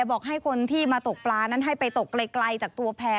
บอกให้คนที่มาตกปลานั้นให้ไปตกไกลจากตัวแพร่